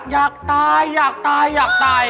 อยากตายอยากตายอยากตาย